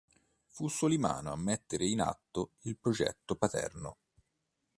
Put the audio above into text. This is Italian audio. Fu Solimano a mettere in atto il progetto paterno.